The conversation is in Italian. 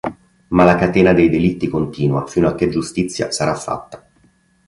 Ma la catena dei delitti continua fino a che giustizia sarà fatta.